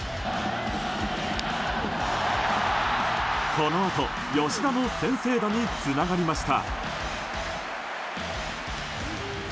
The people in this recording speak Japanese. このあと吉田の先制打につながりました。